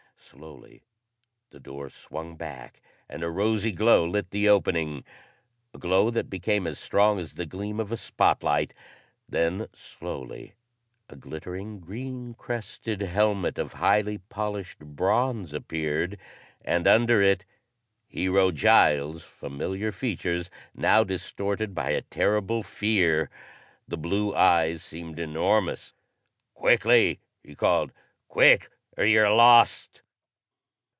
Slowly, the door swung back, and a rosy glow lit the opening, a glow that became as strong as the gleam of a spotlight. Then, slowly, a glittering, green crested helmet of highly polished bronze appeared, and, under it, Hero Giles' familiar features, now distorted by a terrible fear. The blue eyes seemed enormous. "Quickly!" he called. "Quick or ye are lost!"